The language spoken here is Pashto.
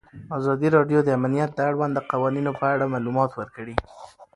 ازادي راډیو د امنیت د اړونده قوانینو په اړه معلومات ورکړي.